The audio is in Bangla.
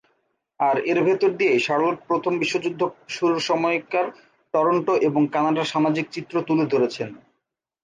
আর এর ভেতর দিয়েই শার্লট প্রথম বিশ্বযুদ্ধ শুরুর সময়কার টরন্টো এবং কানাডার সামাজিক চিত্র তুলে ধরেছেন।